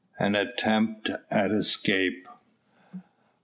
AN ATTEMPT AT ESCAPE.